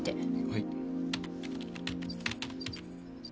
はい。